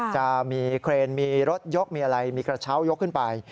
จะมีเครนมีรถยกมีอะไรมีกระเช้ายกขึ้นไป